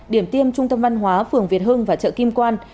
điểm tiêm trung tâm văn hóa phường việt hưng và chợ kim quan